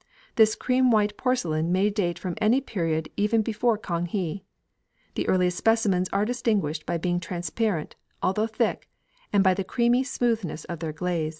This cream white porcelain may date from any period even before Kang he. The earliest specimens are distinguished by being transparent, although thick, and by the creamy smoothness of their glaze.